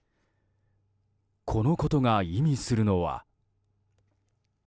このことが意味するのは。